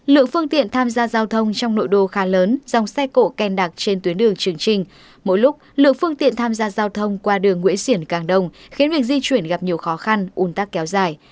lượng phương tiện tham gia giao thông trong nội đô khá lớn dòng xe cổ kèn đặc trên tuyến đường trường trình mỗi lúc lượng phương tiện tham gia giao thông qua đường nguyễn xiển càng đông khiến việc di chuyển gặp nhiều khó khăn un tắc kéo dài